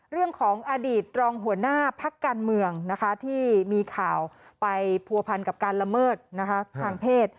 เรื่องของอดีตรองหัวหน้าพักการเมืองนะคะที่มีข่าวไปผัวพันกับการละเมิดทางเพศ